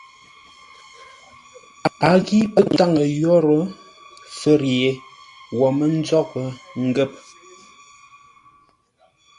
A ghîʼ pə́ táŋə yórə́ fə̌r yé wo mə́ nzóghʼə ngə̂p.